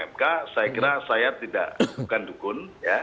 mk saya kira saya tidak bukan dukun